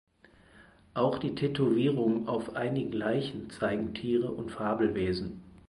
Auch die Tätowierungen auf einigen Leichen zeigen Tiere und Fabelwesen.